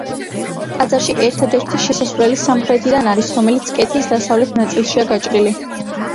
ტაძარში ერთადერთი შესასვლელი სამხრეთიდან არის, რომელიც კედლის დასავლეთ ნაწილშია გაჭრილი.